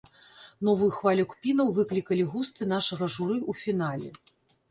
Новую хвалю кпінаў выклікалі густы нашага журы ў фінале.